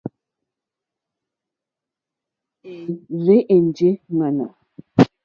É rzènjé ŋmánà.